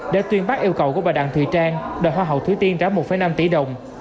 đã tuyên bác yêu cầu của bà đặng thủy trang đòi hoa hậu thủy tiên trả một năm tỷ đồng